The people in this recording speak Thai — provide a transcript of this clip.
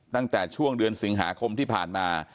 ตั้งแต่ช่วงเดือนสิงหาคมที่ผ่านมา